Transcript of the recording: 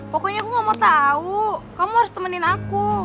pokoknya aku gak mau tahu kamu harus temenin aku